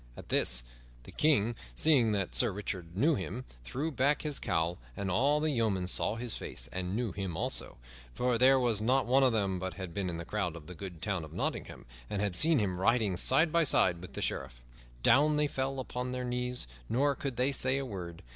At this, the King, seeing that Sir Richard knew him, threw back his cowl, and all the yeomen saw his face and knew him also, for there was not one of them but had been in the crowd in the good town of Nottingham, and had seen him riding side by side with the Sheriff. Down they fell upon their knees, nor could they say a word.